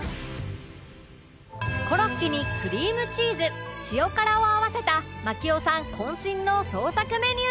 コロッケにクリームチーズ塩辛を合わせた槙尾さん渾身の創作メニュー